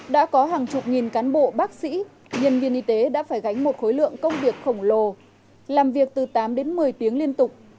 đã có hàng chục nghìn cán bộ bác sĩ nhân viên y tế đã phải gánh một khối lượng công việc khổng lồ làm việc từ tám đến một mươi tiếng liên tục